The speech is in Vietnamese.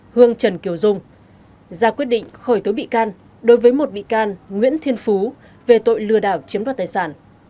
hương trần kiều dung ra quyết định khởi tố bị can đối với một bị can nguyễn thiên phú về tội lừa đảo chiếm đoạt tài sản